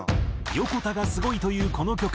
ヨコタがすごいというこの曲。